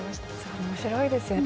おもしろいですよね。